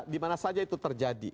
dimana saja itu terjadi